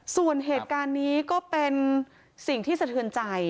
ส่วนเหตุการณ์นี้ก็เป็นสิ่งที่สะเทือนใจ